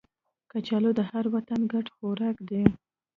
کچالو د هر وطن ګډ خوراک دی